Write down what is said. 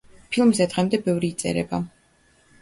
ფილმზე დღემდე ბევრი იწერება.